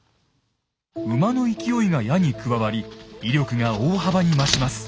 馬の勢いが矢に加わり威力が大幅に増します。